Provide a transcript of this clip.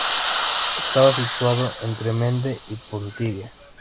Estaba situada entre Mende y Potidea.